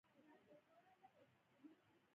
دا بدلون د قدرت د دوام لپاره دی.